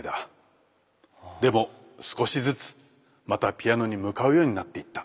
でも少しずつまたピアノに向かうようになっていった。